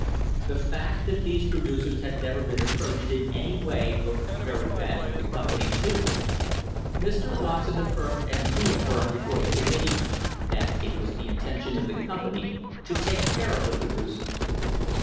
The fact that the producers had never been approached in any way looked very bad for the company, too. Mr. Watson affirmed and reaffirmed before the committee that it was the intention of the company to take care of the producers.